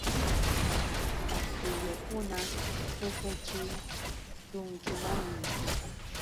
Maqtillukuna suquchishunkimanmi.